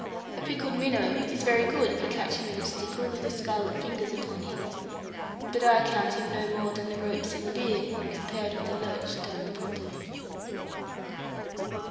A pickled minnow is very good if you catch him in a stickle, with the scarlet fingers upon him; but I count him no more than the ropes in beer compared with a loach done properly.